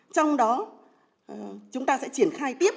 trong đó chúng ta sẽ triển khai tiếp